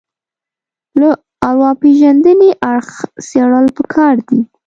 له ارواپېژندنې اړخ څېړل پکار دي